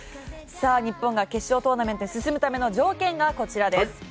日本が決勝トーナメントに進むための条件がこちらです。